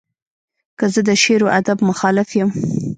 که زه د شعر و ادب مخالف یم.